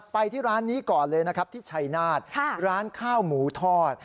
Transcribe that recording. ไปที่ร้านนี้ก่อนเลยนะครับที่ชัยนาธร้านข้าวหมูทอด